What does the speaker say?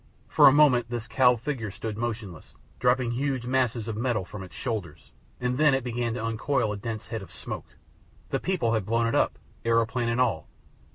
For a moment this cowled figure stood motionless, dropping huge masses of metal from its shoulders, and then it began to uncoil a dense head of smoke. The people had blown it up, aeroplane and all!